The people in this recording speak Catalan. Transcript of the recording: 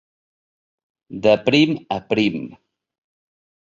De prim a prim.